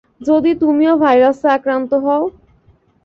যদি তুমিও ভাইরাসে আক্রান্ত হও?